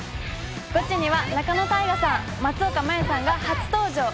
ゴチには仲野太賀さん、松岡茉優さんが初登場。